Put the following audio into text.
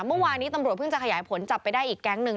เมื่อวานี้ตำรวจเพิ่งจะขยายผลจับไปได้อีกแก๊งหนึ่ง